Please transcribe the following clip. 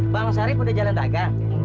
bang sehari pun udah jalan dagang